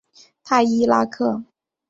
泰伊拉克。